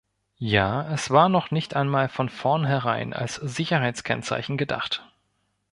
Ja, es war noch nicht einmal von vornherein als Sicherheitskennzeichen gedacht.